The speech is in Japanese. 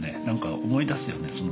何か思い出すよね